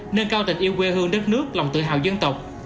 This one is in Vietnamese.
nâng cao tình yêu quê hương đất nước lòng tự hào dân tộc